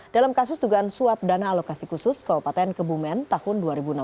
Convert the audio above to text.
dalam kasus dugaan suap dana alokasi khusus kabupaten kebumen tahun dua ribu enam belas